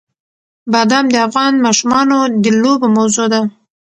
بادام د افغان ماشومانو د لوبو موضوع ده.